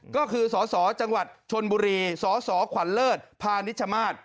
ก็คือสสจบุรีสสขวัญเลิศพาณิชชามาตร